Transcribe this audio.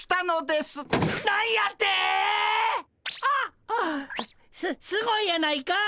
すすごいやないかい。